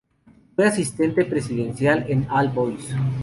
Fue asistente presidencial en All Boys.